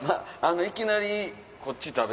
いきなりこっち食べ。